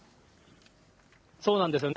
そうなんですよね。